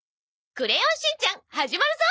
『クレヨンしんちゃん』始まるぞ！